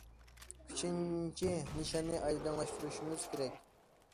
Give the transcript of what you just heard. ئۈچىنچى، نىشاننى ئايدىڭلاشتۇرۇشىمىز كېرەك.